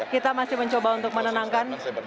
kita masih mencoba untuk menenangkan